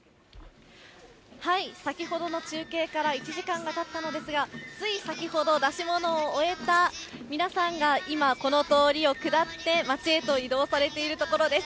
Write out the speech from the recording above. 先ほどの中継から１時間がたったのですが、つい先ほど、出し物を終えた皆さんが今、この通りを下って、町へと移動されているところです。